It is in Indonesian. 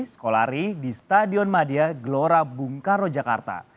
sekolari di stadion madia gelora bung karo jakarta